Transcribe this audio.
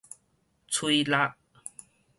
推蠟